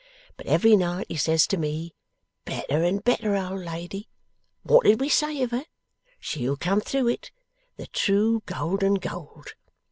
But every night he says to me: "Better and better, old lady. What did we say of her? She'll come through it, the true golden gold.